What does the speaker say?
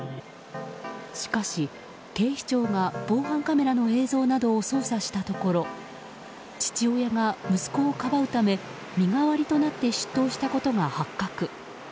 しかし、警視庁が防犯カメラの映像などを捜査したところ父親が、息子をかばうため身代わりとなって出頭したことが発覚。